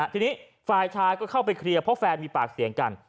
ทีนี้ฝ่ายชายก็เข้าไปเคลียร์เพราะแฟนมีปากเสียงกัน